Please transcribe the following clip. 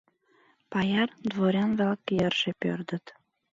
Паяр, дворян-влак йырже пӧрдыт.